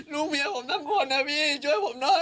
ลูกเมียผมทั้งคนนะพี่ช่วยผมหน่อย